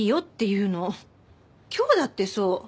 今日だってそう。